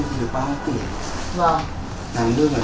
khi bán thẻ cần gì em cần